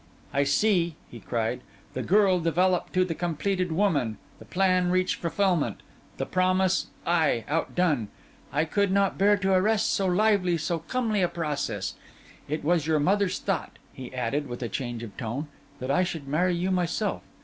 I see,' he cried, 'the girl develop to the completed woman, the plan reach fulfilment, the promise—ay, outdone! I could not bear to arrest so lively, so comely a process. It was your mother's thought,' he added, with a change of tone, 'that I should marry you myself.